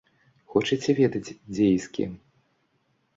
Хочаце ведаць дзе і з кім?